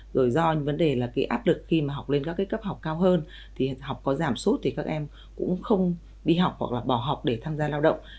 rồi do vấn đề là áp lực khi học lên các cấp học cao hơn thì học có giảm sốt thì các em cũng không đi học hoặc bỏ học để tham gia lao động